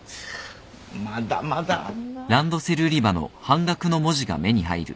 まだまだあんな。